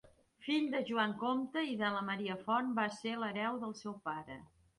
Fill de Joan Compte i de Maria Fort, va ser l'hereu del seu pare.